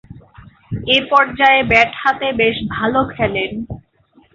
এ পর্যায়ে ব্যাট হাতে বেশ ভালো খেলেন।